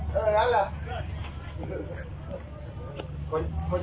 ตัวเมียตัวเมีย